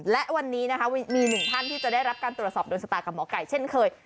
และวันนี้นะคะมีหนึ่งท่านที่จะได้รับการตรวจสอบโดนชะตากับหมอไก่เช่นเคย